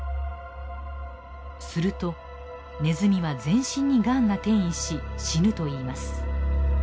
するとネズミは全身にがんが転移し死ぬといいます。